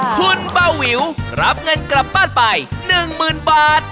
คุณเบาวิวรับเงินกลับบ้านไป๑๐๐๐บาท